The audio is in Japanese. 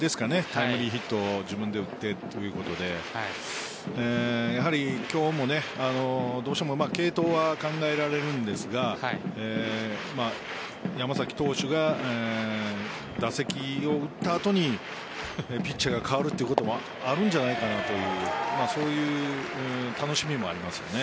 タイムリーヒットを自分で打ってということでやはり今日も、どうしてもうまく継投は考えられるんですが山崎投手が打席を打った後にピッチャーが代わるということもあるんじゃないかなという楽しみもありますね。